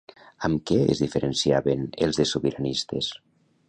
Amb què es diferenciaven els de Sobiranistes?